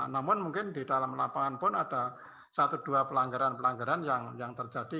namun mungkin di dalam lapangan pun ada satu dua pelanggaran pelanggaran yang terjadi